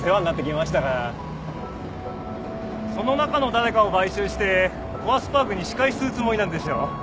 その中の誰かを買収してコアスパークに仕返しするつもりなんでしょ。